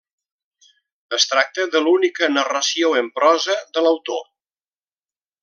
Es tracta de l'única narració en prosa de l'autor.